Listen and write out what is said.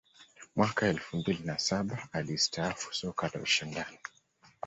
mwaka elfu mbili na saba alistaafu soka la ushindani